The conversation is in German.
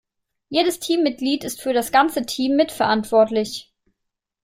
Jedes Teammitglied ist für das ganze Team mitverantwortlich.